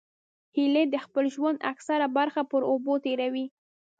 هیلۍ د خپل ژوند اکثره برخه په اوبو تېروي